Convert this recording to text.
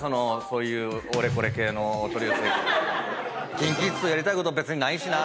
「ＫｉｎＫｉＫｉｄｓとやりたいこと別にないしな」